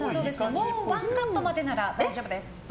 もうワンカットまでなら大丈夫です。